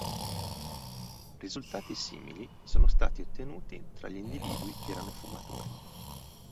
Risultati simili sono stati ottenuti tra gli individui che erano fumatori.